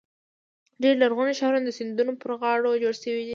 ډېری لرغوني ښارونه د سیندونو پر غاړو جوړ شوي دي.